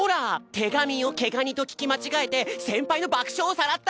「手紙」を「毛ガニ」と聞き間違えて先輩の爆笑をさらった！